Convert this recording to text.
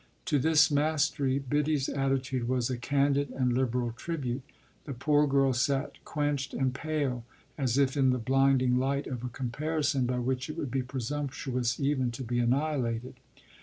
To this mastery Biddy's attitude was a candid and liberal tribute: the poor girl sat quenched and pale, as if in the blinding light of a comparison by which it would be presumptuous even to be annihilated.